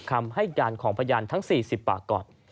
คำให้การของพยานทั้ง๔๐ปากก่อน